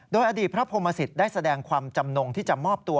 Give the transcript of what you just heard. โดยอดีตพระพรมศิษย์ได้แสดงความจำนงที่จะมอบตัว